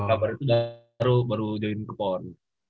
kabarnya udah baru join ke pon